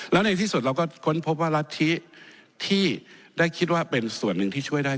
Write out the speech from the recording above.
แล้วในที่สุดเราก็ค้นพบว่ารัฐธิที่ได้คิดว่าเป็นส่วนหนึ่งที่ช่วยได้